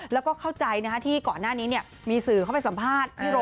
แล้วก็เข้าใจที่ก่อนหน้านี้มีสื่อเข้าไปสัมภาษณ์พี่โร